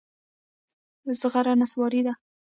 زغر نصواري دي.